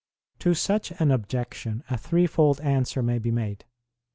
To such an objection a threefold answer may be made.